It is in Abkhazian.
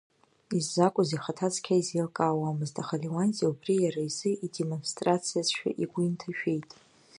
Иззакәыз ихаҭа цқьа изеилкаауамызт, аха Леуанти убри иара изы идемонстрациазшәа игәы инҭашәеит.